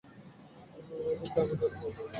ওদের দামি দামি মাল থাকে ট্রাকে।